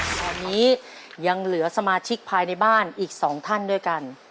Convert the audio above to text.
ตอนนี้ยังเหลือสมาชิกภายในบ้านอีก๒ท่านด้วยกัน